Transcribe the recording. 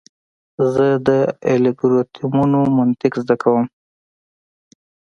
زه د الگوریتمونو منطق زده کوم.